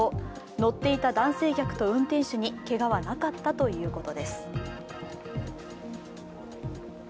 乗っていた男性客と運転手にけがはなかったということです。